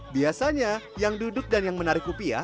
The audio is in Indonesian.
biasanya yang duduk dan yang menarik rupiah